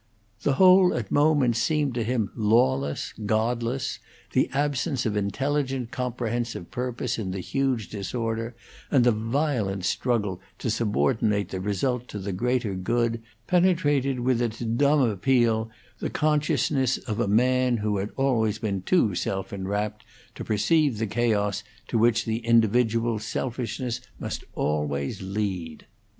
The whole at moments seemed to him lawless, godless; the absence of intelligent, comprehensive purpose in the huge disorder, and the violent struggle to subordinate the result to the greater good, penetrated with its dumb appeal the consciousness of a man who had always been too self enwrapped to perceive the chaos to which the individual selfishness must always lead.